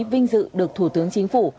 vinh dự được thủ tướng chính phủ